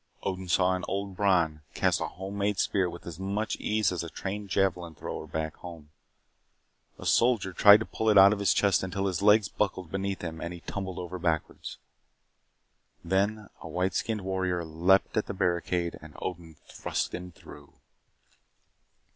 Odin saw an old Bron cast a home made spear with as much ease as a trained javelin thrower back home. A soldier tried to pull it out of his chest until his legs buckled beneath him and he tumbled over backwards. Then a white skinned warrior leaped at the barricade and Odin thrust him through.